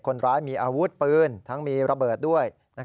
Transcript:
คนร้ายมีอาวุธปืนทั้งมีระเบิดด้วย